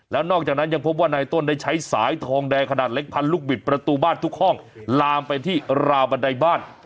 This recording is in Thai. แล้วนอกจากนั้นยังพบว่านายต้นได้ใช้สายทองแดงขนาดเล็กพันลูกบิดประตูบ้านทุกห้องลามไปที่ราวบันไดบ้าน